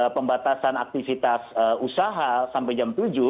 pembatasan aktivitas usaha sampai jam tujuh